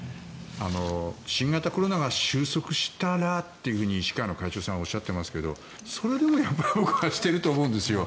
新型コロナが収束したらと医師会の会長さんはおっしゃっていますがそれでもやっぱり僕はしていると思うんですよ。